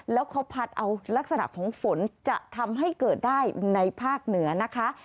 แล้วเขาพัดเอาลักษณะของฝนจะทำให้เกิดได้ในภาคเหนือนะคะ